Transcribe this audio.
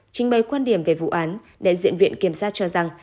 trình bày quan điểm về vụ án đại diện viện kiểm tra cho rằng